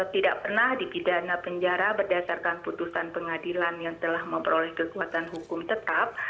tidak pernah dipidana penjara berdasarkan putusan pengadilan yang telah memperoleh kekuatan hukum tetap